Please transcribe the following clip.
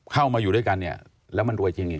เข้ามาอยู่ด้วยกันเนี่ยแล้วมันรวยจริงเนี่ย